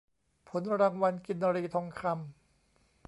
ผลรางวัลกินรีทองคำ